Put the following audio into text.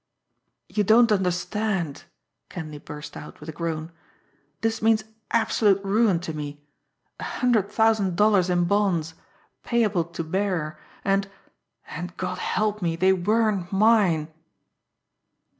"You don't understand!" Kenleigh burst out, with a groan. "This means absolute ruin to me! A hundred thousand dollars in bonds payable to bearer and and, God help me, they weren't mine!"